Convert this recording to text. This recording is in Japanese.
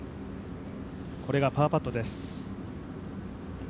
これがパーパットです。